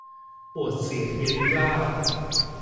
ปวดเศียรเวียนเกล้า